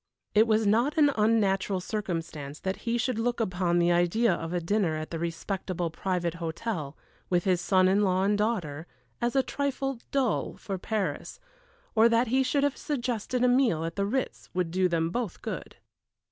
It was not an unnatural circumstance that he should look upon the idea of a dinner at the respectable private hotel, with his son in law and daughter, as a trifle dull for Paris, or that he should have suggested a meal at the Ritz would do them both good.